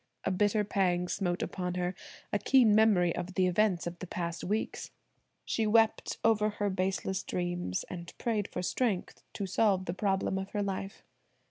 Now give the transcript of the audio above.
A bitter pang smote upon her, a keen memory of the events of the past weeks. She wept over her baseless dreams, and prayed for strength to solve the problem of her life.